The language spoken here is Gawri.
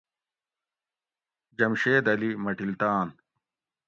جمشید علی مٹلتان